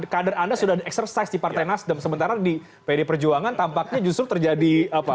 kader anda sudah eksersis di partai nasdem sementara di pd perjuangan tampaknya justru terjadi apa